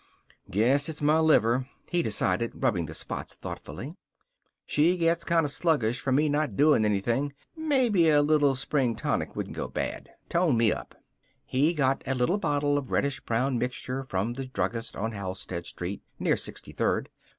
"Guess it's my liver," he decided, rubbing the spots thoughtfully. "She gets kind of sluggish from me not doing anything. Maybe a little spring tonic wouldn't go bad. Tone me up." He got a little bottle of reddish brown mixture from the druggist on Halstead Street near Sixty third.